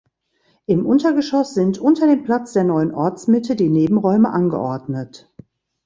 Im Untergeschoss sind unter dem Platz der neuen Ortsmitte die Nebenräume angeordnet.